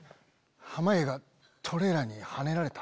濱家がトレーラーにはねられた。